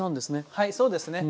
はいそうですね。